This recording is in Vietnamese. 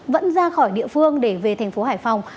vẫn ra khỏi địa phương để về thành phố hải phòng